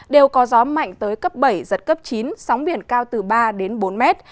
đều có gió mạnh tới cấp bảy giật cấp chín sóng biển cao từ ba đến bốn mét